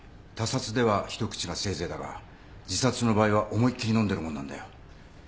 他殺ではひと口がせいぜいだが自殺の場合は思いっきり飲んでるもんなんだよ。